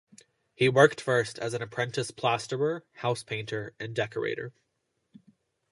He worked first as an apprentice plasterer, house painter, and decorator.